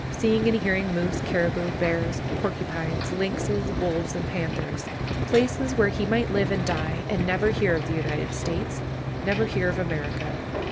Seeing and hearing moose, caribou, bears, porcupines, lynxes, wolves, and panthers. Places where he might live and die and never hear of the United States never hear of America.